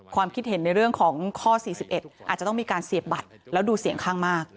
ความคิดเห็นในเรื่องของข้อ๔๑อาจจะต้องมีการเสียบบัตรแล้วดูเสียงข้างมาก